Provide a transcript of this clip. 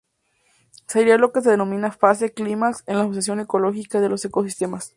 Sería lo que se denomina fase clímax en la sucesión ecológica de los ecosistemas.